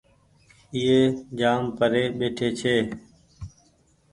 ايئي جآم پري ٻيٽي ڇي